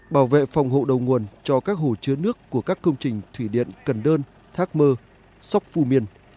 bảo vệ phòng hộ đầu nguồn cho các hồ chứa nước của các công trình thủy điện cần đơn thác mơ sóc phù miên